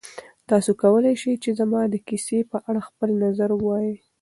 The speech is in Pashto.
تاسو کولی شئ چې زما د کیسې په اړه خپل نظر ووایئ.